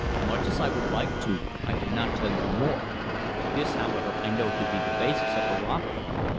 Much as I would like to, I cannot tell you more. This, however, I know to be the basis of her offer.